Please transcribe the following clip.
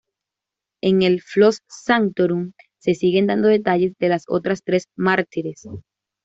En el "Flos sanctorum" se siguen dando detalles de las otras tres mártires.